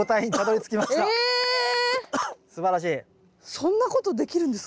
そんなことできるんですか？